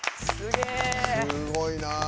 すごいな。